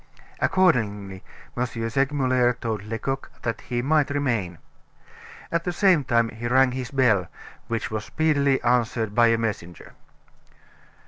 Accordingly, M. Segmuller told Lecoq that he might remain. At the same time he rang his bell; which was speedily answered by a messenger.